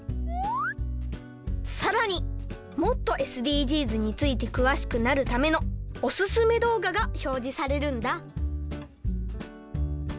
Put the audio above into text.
さらにもっとＳＤＧｓについてくわしくなるためのおすすめどうががひょうじされるんだ。